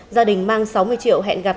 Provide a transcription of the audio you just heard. gia đình mang sáu mươi triệu hẹn gặp